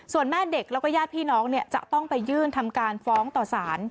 ส่วนแม่เด็กแล้วก็ญาติพี่น้องจะต้องไปยื่นทำการฟ้องต่อสาร